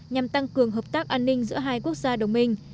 nhằm tăng cường hợp tác an ninh giữa hai quốc gia đồng minh